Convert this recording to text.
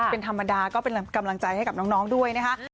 เป็นธรรมดาก็เป็นกำลังใจให้กับน้องด้วยนะคะ